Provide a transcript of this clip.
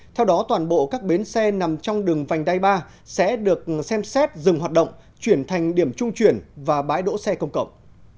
theo đó toàn bộ các bến xe nằm trong đường vành đai ba sẽ được xem xét dừng hoạt động chuyển thành điểm trung chuyển và bãi đỗ xe công cộng